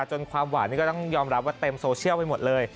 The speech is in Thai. ความหวานนี่ก็ต้องยอมรับว่าเต็มโซเชียลไปหมดเลย